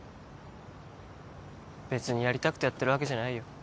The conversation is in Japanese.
別にやりたくてやってるわけじゃないよ